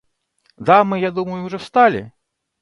Дамы, я думаю, уже встали?